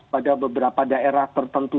pada beberapa daerah tertentu